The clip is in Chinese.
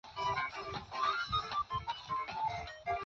此外也是一种受欢迎的园艺植物。